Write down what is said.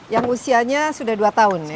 yang usianya sudah dua tahun ya